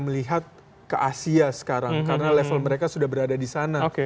melihat ke asia sekarang karena level mereka sudah berada di sana